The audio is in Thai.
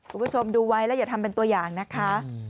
คุณผู้ชมดูไว้แล้วอย่าทำเป็นตัวอย่างนะคะ